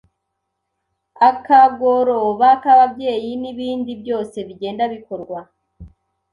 Akagoroba k’ababyeyi, n’ibindi byose bigenda bikorwa.